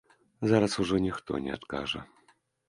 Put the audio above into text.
Зараз ужо ніхто не адкажа.